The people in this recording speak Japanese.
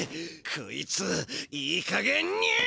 こいついいかげんに！